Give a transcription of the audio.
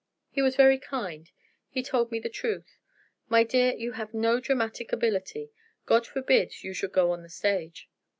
He was very kind; he told me the truth. 'My dear, you have no dramatic ability; God forbid you should go on the stage.